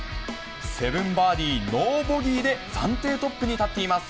７バーディーノーボギーで暫定トップに立っています。